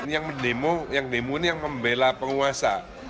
yang demo ini yang membela penguasa